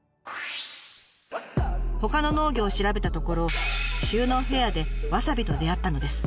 ほかの農業を調べたところ就農フェアでわさびと出会ったのです。